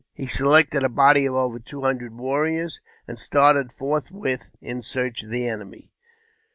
He selected a body of over two hundred warriors, and started forthwith in search of the enemy.